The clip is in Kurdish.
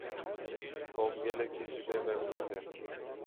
Tom gelekî ji vê memnûn e.